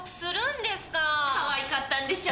かわいかったんでしょ。